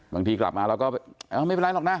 บางทีกลับมาเราก็ไม่เป็นไรหรอกนะ